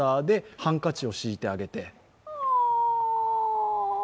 ハンカチを敷いてあげて。